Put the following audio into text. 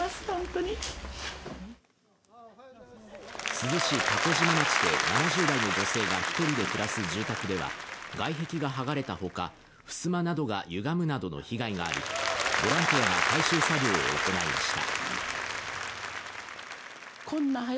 珠洲市蛸島町で７０代の女性が１人で暮らす住宅では外壁が剥がれたほか、ふすまなどが歪むなどの被害があり、ボランティアが回収作業を行いました。